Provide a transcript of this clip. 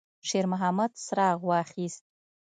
شېرمحمد څراغ واخیست.